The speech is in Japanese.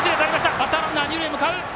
バッターランナー、二塁へ向かう。